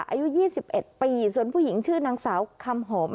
อายุ๒๑ปีส่วนผู้หญิงชื่อนางสาวคำหอม